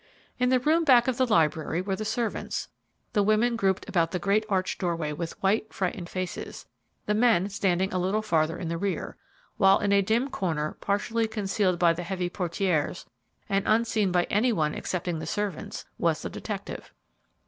In the room back of the library were the servants, the women grouped about the great arched doorway with white, frightened faces, the men standing a little farther in the rear, while in a dim corner, partially concealed by the heavy portieres and unseen by any one excepting the servants, was the detective.